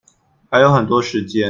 還有很多時間